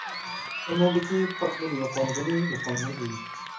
ئۇنىڭدىكى پاك نۇر يوقالغىنى يوقالغان ئىدى.